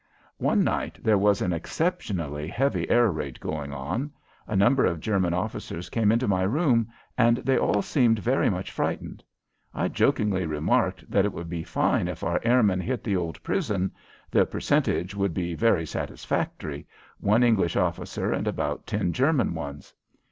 One night there was an exceptionally heavy air raid going on. A number of German officers came into my room, and they all seemed very much frightened. I jokingly remarked that it would be fine if our airmen hit the old prison the percentage would be very satisfactory one English officer and about ten German ones.